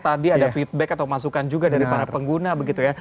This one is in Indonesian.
tadi ada feedback atau masukan juga dari para pengguna begitu ya